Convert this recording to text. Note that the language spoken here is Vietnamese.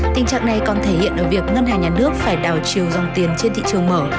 tình trạng này còn thể hiện ở việc ngân hàng nhà nước phải đảo chiều dòng tiền trên thị trường mở